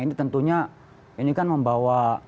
ini tentunya ini kan membawa